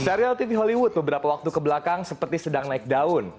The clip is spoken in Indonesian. serial tv hollywood beberapa waktu kebelakang seperti sedang naik daun